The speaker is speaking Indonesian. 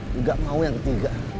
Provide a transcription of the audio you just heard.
nggak mau yang ketiga